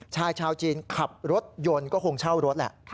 ชายชาวจีนขับรถยนต์ก็คงเช่ารถแหละ